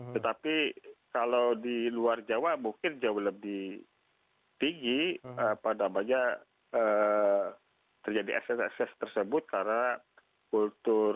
tetapi kalau di luar jawa mungkin jauh lebih tinggi terjadi ekses ases tersebut karena kultur